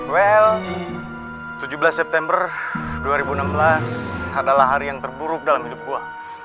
well tujuh belas september dua ribu enam belas adalah hari yang terburuk dalam hidup gua